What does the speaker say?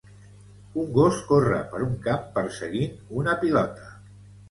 Un gos corre per un camp perseguint una pilota.